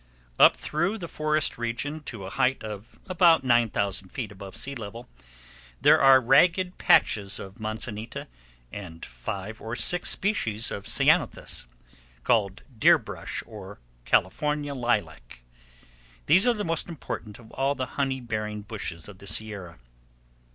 Up through the forest region, to a height of about 9000 feet above sea level, there are ragged patches of manzanita, and five or six species of ceanothus, called deer brush or California lilac. These are the most important of all the honey bearing bushes of the Sierra.